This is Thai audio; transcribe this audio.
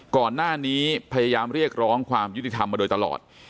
ก่อนหน้านี้พยายามเรียกร้องความยุติธรรมมาโดยตลอด